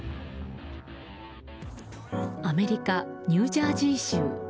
アメリカ・ニュージャージー州。